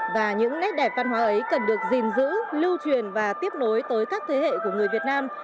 và những nét đẹp văn hóa ấy cần được gìn giữ lưu truyền và tiếp nối tới các thế hệ của người việt nam